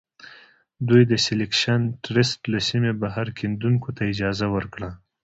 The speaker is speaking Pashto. دوی د سیلکشن ټرست له سیمې بهر کیندونکو ته اجازه ورکړه.